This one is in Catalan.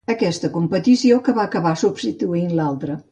Aquesta competició que va acabar substituint l'altra.